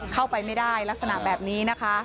เข้าไปไม่ได้ลักษณะแบบนี้นะคะ